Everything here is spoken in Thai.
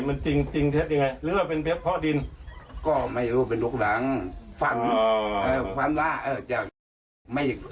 เรื่องสพเรื่องอะไรนี่จะไม่ต้องมาเอามา